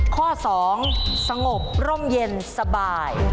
ข้อ๒สงบร่มเย็นสบาย